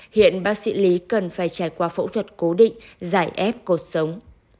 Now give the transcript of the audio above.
hiện bác sĩ lý cần phải trải qua phẫu thuật cố định giải ép cột sống